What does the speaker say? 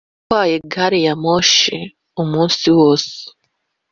yatwaye gari ya moshi umunsi wose